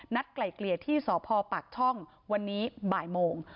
นัดไกลเกลียดที่สพปชวันนี้บ่ายโมง